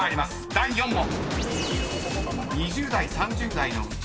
第４問］